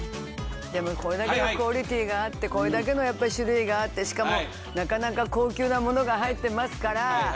これだけのクオリティーがあってこれだけの種類があってしかもなかなか高級なものが入ってますから。